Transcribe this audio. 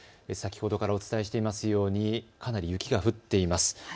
先ほどからお伝えしていますように、かなり雪が降っています。